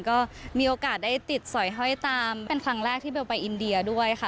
ก็มีโอกาสได้ติดสอยห้อยตามเป็นครั้งแรกที่เบลไปอินเดียด้วยค่ะ